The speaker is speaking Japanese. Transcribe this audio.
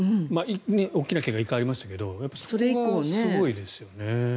大きな怪我が１回ありましたがそこがすごいですよね。